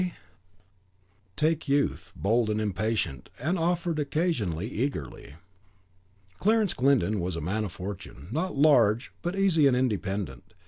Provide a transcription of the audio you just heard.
"Ger. Lib.," c. vi. xxix. (Take, youth, bold and impatient, the offered occasion eagerly.) Clarence Glyndon was a young man of fortune, not large, but easy and independent.